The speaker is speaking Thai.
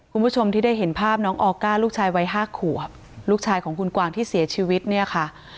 คุณผู้ชมที่ได้เห็นภาพน้องออก้าลูกชายวัยห้าขวบลูกชายของคุณกวางที่เสียชีวิตเนี่ยค่ะ